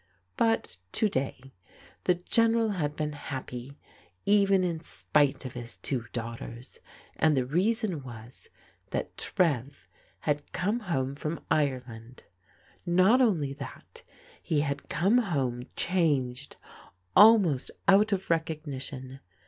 But, to day, the General had been happy, even in spite of his two daughters ; and the reason was that Trev had come home from Ireland. Not only that, he had come home changed almost out of recognition.